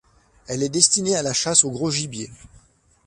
Elle est destinée à la chasse au gros gibier.